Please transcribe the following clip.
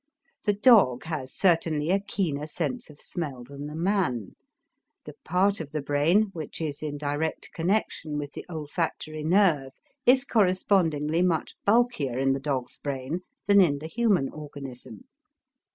The dog has certainly a keener sense of smell than the man the part of the brain which is in direct connection with the olfactory nerve is correspondingly much bulkier in the dog's brain than in the human organism.